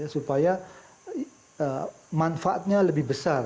supaya manfaatnya lebih besar